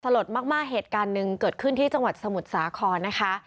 ลดมากเหตุการณ์หนึ่งเกิดขึ้นที่จังหวัดสมุทรสาครนะคะ